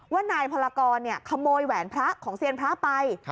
ว่านายพลากรขโมยแหวนพระของเซียนพระไป